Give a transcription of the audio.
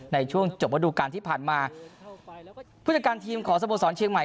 ในช่วงจบระดูการที่ผ่านมาผู้จัดการทีมของสโมสรเชียงใหม่